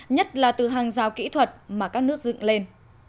nhất là từ hàng rào kỹ thuật mà các nước dựng lên